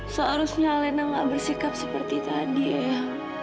seharusnya alena enggak bersikap seperti tadi ayah